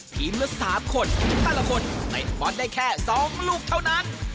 ทีมละ๓คนแต่ละคนเตะบอลได้แค่๒ลูกเท่านั้น